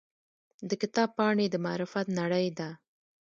د کتاب پاڼې د معرفت نړۍ ده.